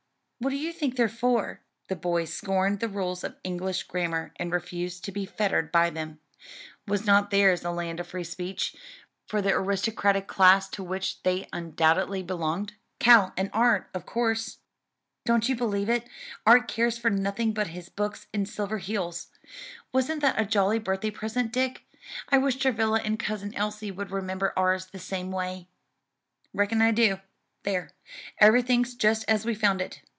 Who do you think they're for?" (The boys scorned the rules of English grammar, and refused to be fettered by them. Was not theirs a land of free speech for the aristocratic class to which they undoubtedly belonged?) "Cal and Art, of course." "Don't you believe it, Art cares for nothing but his books and Silverheels. Wasn't that a jolly birthday present, Dick? I wish Travilla and Cousin Elsie would remember ours the same way." "Reckon I do. There, everything's just as we found it.